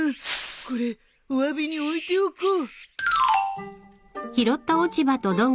これおわびに置いておこう